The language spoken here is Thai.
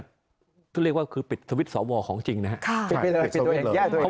ก็เรียกว่าคือปิดสวิทธิ์สอวอลของจริงนะครับ